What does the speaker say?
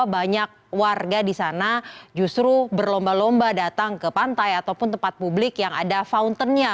banyak warga di sana justru berlomba lomba datang ke pantai ataupun tempat publik yang ada fountainnya